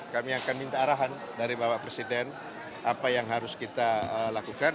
kami akan minta arahan dari bapak presiden apa yang harus kita lakukan